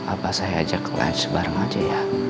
apa saya ajak letch bareng aja ya